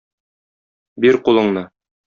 Бир кулыңны!